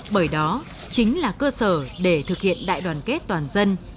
bởi đó chính là cơ sở để thực hiện đại đoàn kết toàn dân